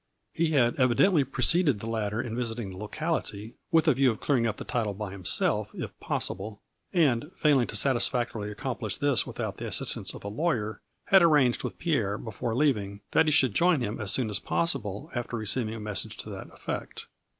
He had evidently preceded the latter in visiting the locality, with a view of clearing up the title by himself, if possible, and, failing to satisfac torily accomplish this without the assistance of a lawyer, had arranged with Pierre, before leav ing, that he should join him as soon as possible, after receiving a message to that effect.